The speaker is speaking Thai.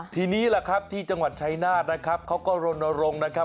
ทีนี้แหละครับที่จังหวัดชายนาฏนะครับเขาก็รณรงค์นะครับ